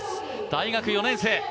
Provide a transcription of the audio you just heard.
大学４年生。